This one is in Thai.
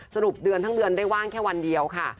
สรุปเดือนทั้งเดือนได้ว่างแค่วันเดียวค่ะ